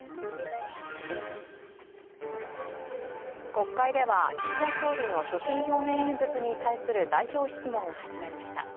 国会では岸田総理の所信表明演説に対する代表質問が始まりました。